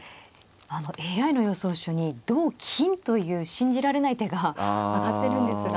あのＡＩの予想手に同金という信じられない手が挙がってるんですが。